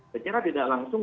secara tidak langsung